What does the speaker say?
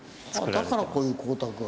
だからこういう光沢が。